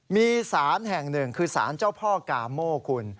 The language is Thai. มีสารแห่งหนึ่งคือสารเจ้าพ่อกาโม่คุณ